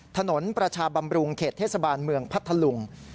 ถนนประชาบำรุงเขตเทศบาลเมืองพัทธลุง